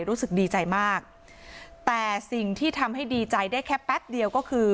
รู้สึกดีใจมากแต่สิ่งที่ทำให้ดีใจได้แค่แป๊บเดียวก็คือ